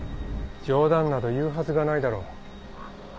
冗談など言うはずがないだろ。